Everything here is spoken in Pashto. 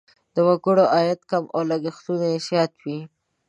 د وګړو عاید کم او لګښتونه یې زیات وي.